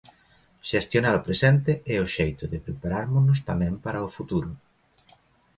Xestionar o presente é o xeito de preparármonos tamén para o futuro.